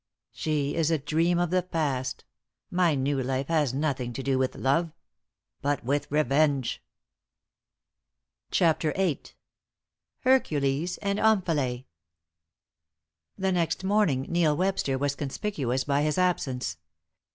"She is a dream of the past. My new life has nothing to do with love but with revenge." CHAPTER VIII. HERCULES AND OMPHALE. The next morning Neil Webster was conspicuous by his absence.